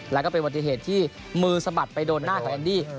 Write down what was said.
แล้วก็เป็นปฏิเหตุที่มือสะบัดไปโดนหน้าของแอนดี้